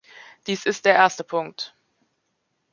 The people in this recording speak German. Dies ist der erste Punkt.